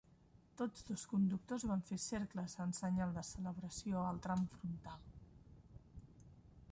Tots dos conductors van fer cercles en senyal de celebració al tram frontal.